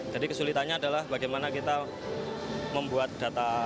jadi kesulitanya adalah bagaimana kita membuat data